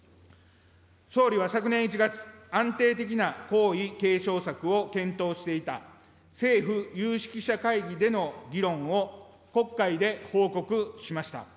総理は昨年１月、安定的な皇位継承策を検討していた、政府有識者会議での議論を国会で報告しました。